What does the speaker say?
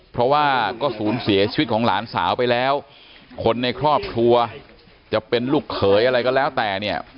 เพราะว่าก็ศูนย์เสียชีวิตของหลานสาวไปแล้วคนในครอบครัวจะเป็นลูกเขยอะไรก็แล้วแต่เนี่ย